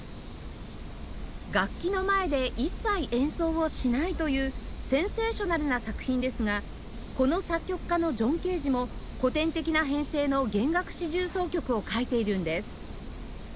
楽器の前で一切演奏をしないというセンセーショナルな作品ですがこの作曲家のジョン・ケージも古典的な編成の弦楽四重奏曲を書いているんです